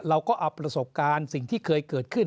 เราก็เอาประสบการณ์สิ่งที่เคยเกิดขึ้น